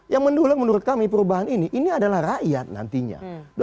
yang mendulang menurut kami perubahan ini ini adalah rakyat nantinya